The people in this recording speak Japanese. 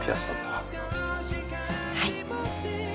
はい。